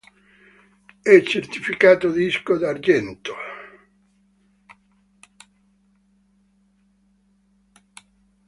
È certificato disco d'argento.